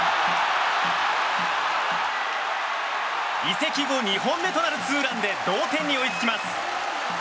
移籍後２本目となるツーランで同点に追いつきます。